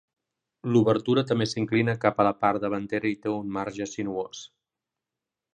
L'obertura també s'inclina cap a la part davantera i té un marge sinuós.